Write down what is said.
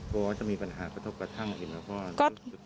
ก็อาจจะมีปัญหากระทบกระทั่งอันนี้มาก็